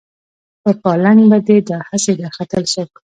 په پالنګ به دې دا هسې درختل څوک